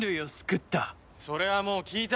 それはもう聞いた。